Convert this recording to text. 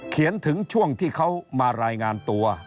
ถึงช่วงที่เขามารายงานตัว